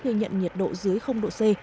ghi nhận nhiệt độ dưới độ c